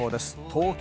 東京